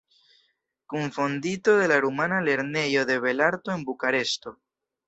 Kunfondinto de la rumana Lernejo de belarto en Bukareŝto.